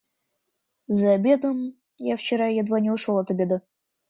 За обедом... я вчера едва не ушел от обеда.